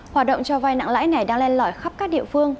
hoạt động cho vay nặng lãi này đang lên lõi khắp các địa phương